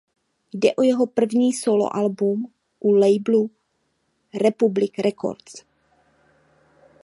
Jde o jeho první solo album u labelu Republic Records.